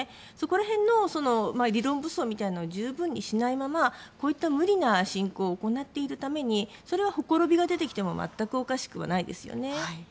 そこら辺の理論武装みたいなのを十分にしないままこういった無理な侵攻を行っているためにそれはほころびが出てきても全くおかしくはないです。